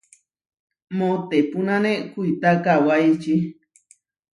Moʼtepunane kuitá kawáiči.